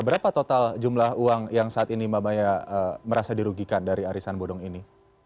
berapa total jumlah uang yang saat ini mbak maya merasa dirugikan dari arisan bodong ini